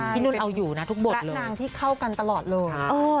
นุ่นเอาอยู่นะทุกบทและนางที่เข้ากันตลอดเลย